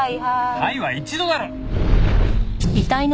「はい」は一度だろ！